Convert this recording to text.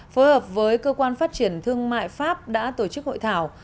phối hợp với cơ quan phát triển thương mại pháp đã tổ chức hội thảo